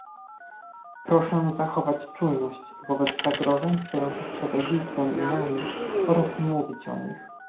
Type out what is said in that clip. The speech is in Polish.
Proszę zachować czujność wobec zagrożeń stojących przed Egiptem i nami oraz mówić o nich